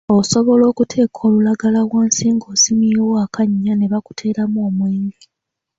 Osobola okuteeka olulagala wansi ng’osimyewo akannya ne bakuteeramu omwenge.